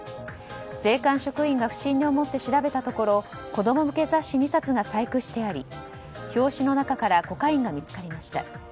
税関職員が不審に思って調べたところ子供向け雑誌２冊が細工してあり表紙の中からコカインが見つかりました。